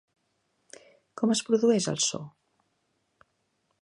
Com es produeix el so?